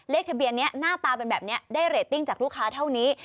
เลขทะเบียนนี้หน้าตาเป็นแบบนี้ได้เรตติ้งจากลูกค้าเท่านี้